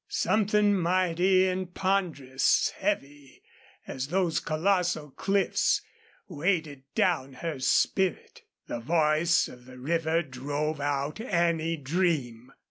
Something mighty and ponderous, heavy as those colossal cliffs, weighted down her spirit. The voice of the river drove out any dream.